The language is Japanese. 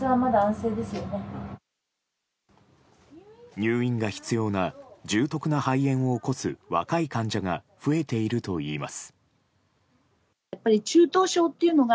入院が必要な重篤な肺炎を起こす若い患者が増えているといいます。